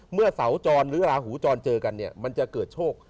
เมื่อเสาจรหรือราหูจรเจอกันเนี่ยมันจะเกิดโชค